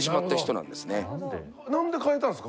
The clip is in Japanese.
なんで変えたんですか？